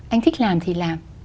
anh thích làm thì làm